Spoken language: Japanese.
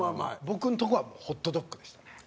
僕のとこはホットドッグでしたね。